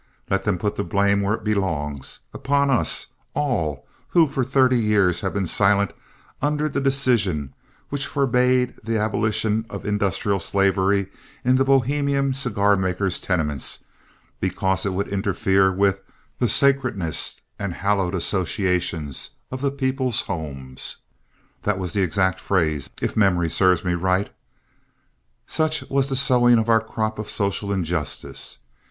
Let them put the blame where it belongs upon us all who for thirty years have been silent under the decision which forbade the abolition of industrial slavery in the Bohemian cigar makers' tenements because it would interfere with "the sacredness and hallowed associations of the people's homes." That was the exact phrase, if memory serves me right. Such was the sowing of our crop of social injustice.